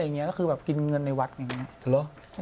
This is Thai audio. ก็คือกินเงินในวัฒน์อย่างนี้